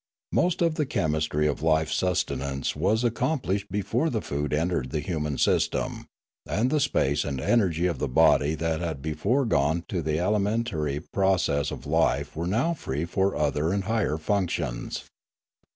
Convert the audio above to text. Most of the chemistry of life sustenance was accomplished before the food entered the human system, and the space and energy of the body that had before gone to the alimentary processes of life were now free for other and higher functions.